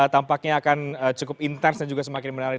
tampaknya akan cukup intens dan juga semakin menarik